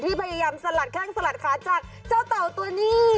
พยายามสลัดแข้งสลัดขาจากเจ้าเต่าตัวนี้